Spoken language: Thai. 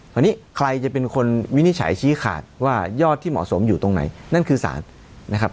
คราวนี้ใครจะเป็นคนวินิจฉัยชี้ขาดว่ายอดที่เหมาะสมอยู่ตรงไหนนั่นคือสารนะครับ